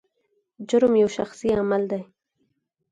جرم یو شخصي عمل دی.